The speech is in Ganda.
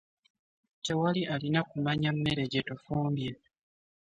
Tewali alina ku manya mmere gyetufumbye.